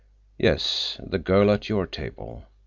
"Yes, the girl at your table.